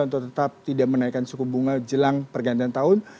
untuk tetap tidak menaikkan suku bunga jelang pergantian tahun